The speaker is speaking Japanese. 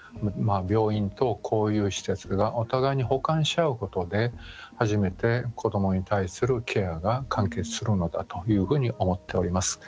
病院と、こういう施設がお互いに補完し合うことで初めて子どもに対するケアが完結するのだというふうに思っております。